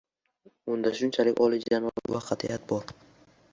Unda shunchalar oliyjanoblik va qat’iyat bor.